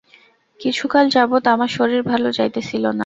কিছুকাল যাবৎ আমার শরীর ভাল যাইতেছিল না।